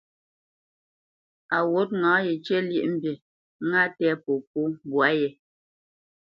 Á wût ŋâ yecə́ lyéʼmbî, ŋá tɛ̂ popó mbwǎ yé.